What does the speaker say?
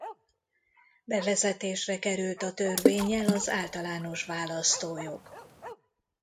Bevezetésre került a törvénnyel az általános választójog.